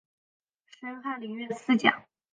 升翰林院侍讲。